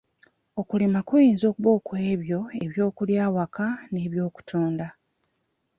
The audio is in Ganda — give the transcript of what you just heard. Okulima kuyinza okuba okw'ebyo eby'okulya awaka n'eby'okutunda.